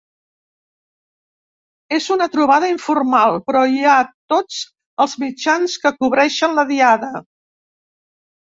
És una trobada informal, però hi ha tots els mitjans que cobreixen la diada.